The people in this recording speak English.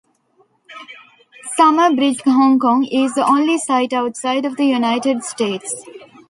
Summerbridge Hong Kong is the only site outside of the United States.